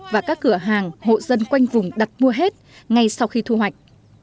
và các cửa hàng hộ dân quanh vùng đặt mua hết ngay sau khi thu hoạch